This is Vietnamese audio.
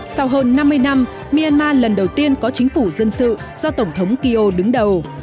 sau hơn năm mươi năm myanmar lần đầu tiên có chính phủ dân sự do tổng thống kio đứng đầu